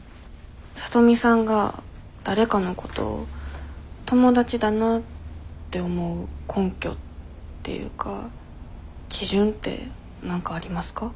聡美さんが誰かのこと友達だなって思う根拠っていうか基準って何かありますか？